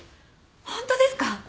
ホントですか？